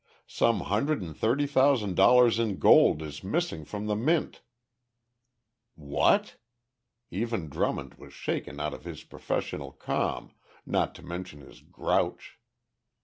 "Some hundred and thirty thousand dollars in gold is missing from the Mint!" "What!" Even Drummond was shaken out of his professional calm, not to mention his grouch.